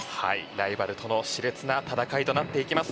ライバルとの熾烈な戦いとなっていきます。